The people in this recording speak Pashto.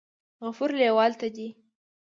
غفور لیوال ته دې